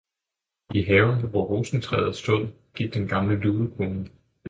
I haven, hvor rosentræet stod, gik den gamle lugekone.